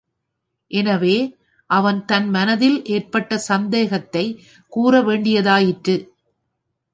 எனவே அவன் தன் மனத்தில் ஏற்பட்ட சந்தேகத்தைக் கூற வேண்டியதாயிற்று.